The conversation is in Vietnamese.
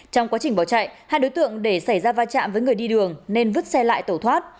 trong quá trình bỏ chạy hai đối tượng để xảy ra va chạm với người đi đường nên vứt xe lại tẩu thoát